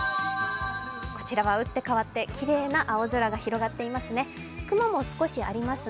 こちらは打って変わってきれいな青空が広がっています